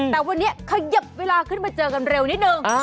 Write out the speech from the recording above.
แต่วันนี้ขยับเวลาขึ้นมาเจอกันเร็วนิดนึง